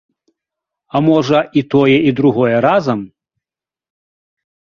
А можа, і тое і другое разам.